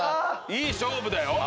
いい勝負だよ。